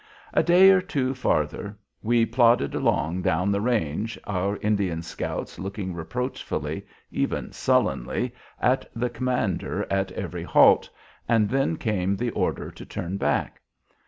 A day or two farther we plodded along down the range, our Indian scouts looking reproachfully even sullenly at the commander at every halt, and then came the order to turn back.